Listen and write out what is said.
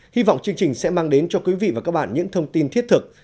hy vọng chương trình sẽ mang đến cho quý vị và các bạn những thông tin thiết thực